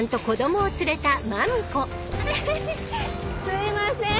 すいません！